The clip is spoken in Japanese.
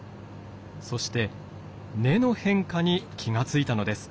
そして根の変化に気が付いたのです。